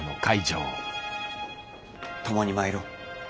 共に参ろう。